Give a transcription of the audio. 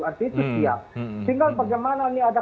artinya siap sehingga bagaimana ini ada